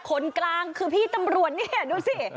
คนกลางคือพี่ตำรวจนี่ดูสิ